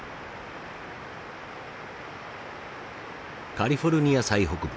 カリフォルニア最北部。